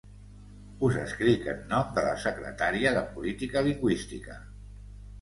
Us escric en nom de la secretària de Política Lingüística.